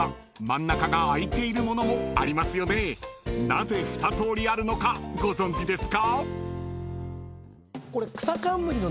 ［なぜ２とおりあるのかご存じですか？］